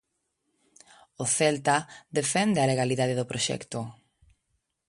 O Celta defende a legalidade do proxecto.